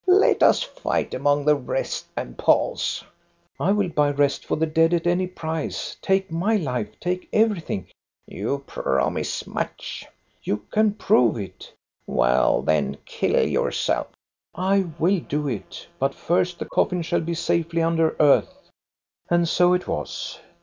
Let us fight among the wreaths and palls. I will buy rest for the dead at any price. Take my life, take everything !"" You promise much." You can prove it." "Well, then, kill yourself!" I will do it ; but first the coffin shall be safely under earth." And so it was.